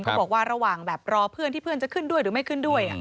ก็บอกว่าระหว่างแบบรอเพื่อนที่เพื่อนจะขึ้นด้วยหรือไม่ขึ้นด้วย